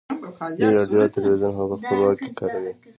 دوی راډیو او ټلویزیون هم په خپل واک کې کاروي